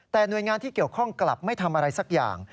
แต่หน่วยงานที่เกี่ยวข้องกลับไม่ทำอะไรสักอย่าง